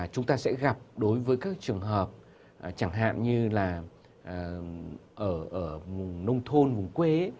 chúng ta sẽ gặp đối với các trường hợp chẳng hạn như là ở nông thôn vùng quê